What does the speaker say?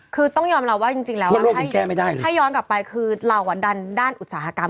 คือต้องยอมรับว่าจริงแล้วถ้าย้อนกลับไปคือเราดันด้านอุตสาหกรรม